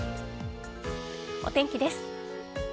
お天気です。